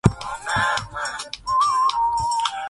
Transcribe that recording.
kijana huyo alikuwa tayari kwa safari ya kufurahisha